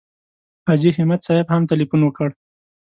حاجي همت صاحب هم تیلفون وکړ.